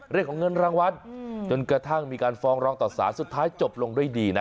เรื่องของเงินรางวัลจนกระทั่งมีการฟ้องร้องต่อสารสุดท้ายจบลงด้วยดีนะ